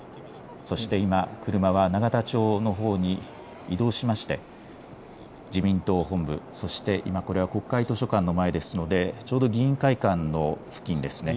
そして今、車は永田町のほうに移動しまして自民党本部、そして今これは国会図書館の前ですのでちょうど議員会館の付近ですね。